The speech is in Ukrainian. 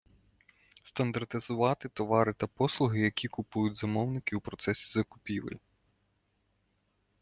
Стандартизувати товари та послуги, які купують замовники у процесі закупівель.